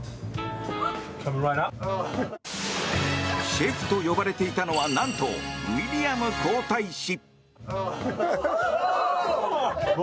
シェフと呼ばれていたのは何とウィリアム皇太子。